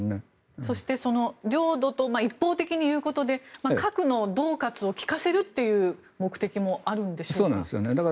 そして領土と一方的に言うことで核のどう喝を利かせるという目的もあるんでしょうか。